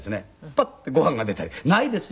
パッてご飯が出たりないですよ。